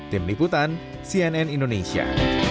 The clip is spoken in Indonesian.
tim liputan cnn indonesia